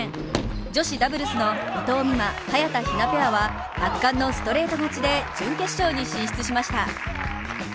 女子ダブルスの伊藤美誠・早田ひなペアは圧巻のストレート勝ちで準決勝に進出しました。